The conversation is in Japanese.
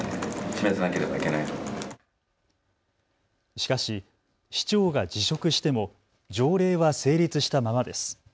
しかし、市長が辞職しても条例は成立したままです。